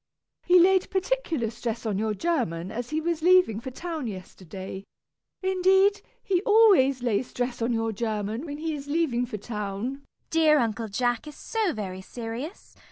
He laid particular stress on your German, as he was leaving for town yesterday. Indeed, he always lays stress on your German when he is leaving for town. CECILY. Dear Uncle Jack is so very serious!